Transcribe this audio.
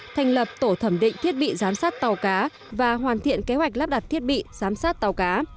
thành lập tổ thẩm định thiết bị giám sát tàu cá và hoàn thiện kế hoạch lắp đặt thiết bị giám sát tàu cá